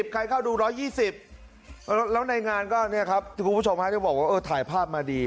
ใครเข้าดู๑๒๐แล้วในงานก็เนี่ยครับที่คุณผู้ชมจะบอกว่าเออถ่ายภาพมาดี